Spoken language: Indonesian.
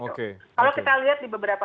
kalau kita lihat di beberapa